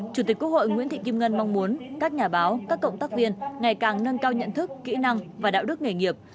chủ tịch quốc hội nguyễn thị kim ngân mong muốn các nhà báo các cộng tác viên ngày càng nâng cao nhận thức kỹ năng và đạo đức nghề nghiệp